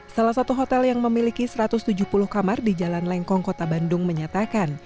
salah satu hotel yang memiliki satu ratus tujuh puluh kamar di jalan lengkong kota bandung menyatakan